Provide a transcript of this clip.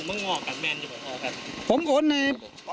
มรึงงอกกันแมนอยู่กับเขากัน